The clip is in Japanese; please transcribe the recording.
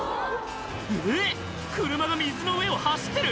えっ車が水の上を走ってる⁉